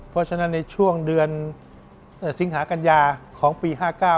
เพราะฉะนั้นในช่วงเดือนสิงหากัญญาของปี๕๙